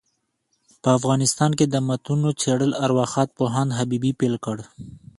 په افغانستان کي دمتونو څېړل ارواښاد پوهاند حبیبي پيل کړ.